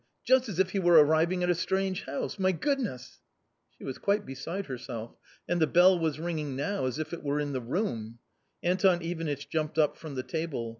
... just as if he were arriving at a strange house ; my goodness !" She was quite beside herself. And the bell was ringing now as if it were in the room. Anton Ivanitch jumped up from the table.